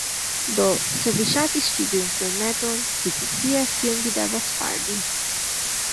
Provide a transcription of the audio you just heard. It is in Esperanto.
Do, se vi ŝatis ĉi tiun filmeton, vi scias kion vi devas fari.